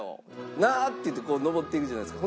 なっ？」って言ってこう上っていくじゃないですか。